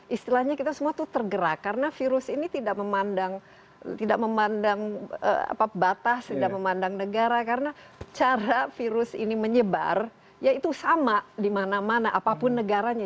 istilahnya kita semua itu tergerak karena virus ini tidak memandang batas tidak memandang negara karena cara virus ini menyebar ya itu sama dimana mana apapun negaranya